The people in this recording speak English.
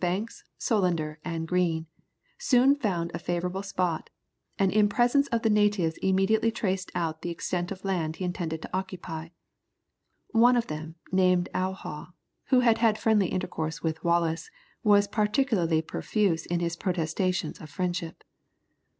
Banks, Solander, and Green, soon found a favourable spot, and in presence of the natives immediately traced out the extent of land he intended to occupy. One of them, named Owhaw, who had had friendly intercourse with Wallis, was particularly profuse in his protestations of friendship.